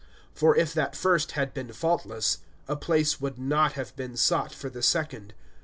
(7)For if that first had been faultless, a place would not have been sought for the second.